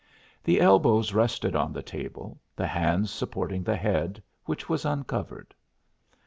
The elbows rested on the table, the hands supporting the head, which was uncovered.